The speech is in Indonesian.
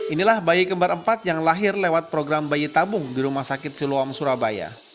inilah bayi kembar empat yang lahir lewat program bayi tabung di rumah sakit siloam surabaya